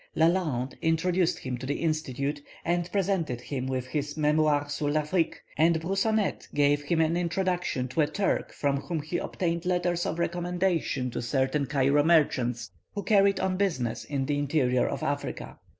Lalande introduced him to the Institute, and presented him with his "Mémoire sur l'Afrique," and Broussonet gave him an introduction to a Turk from whom he obtained letters of recommendation to certain Cairo merchants who carried on business in the interior of Africa.